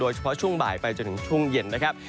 เฉพาะช่วงบ่ายไปจนถึงช่วงเย็นนะครับ